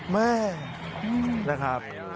แม่นะครับ